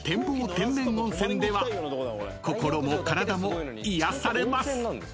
天然温泉では心も体も癒やされます］